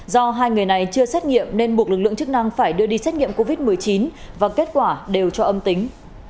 do hai người này chưa xét nghiệm nên buộc lực lượng chức năng phải đưa đi xét nghiệm covid một mươi chín và kết quả đều cho âm tính